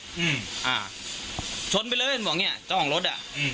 อืมอ่าชนไปเลยบอกเนี้ยเจ้าของรถอ่ะอืม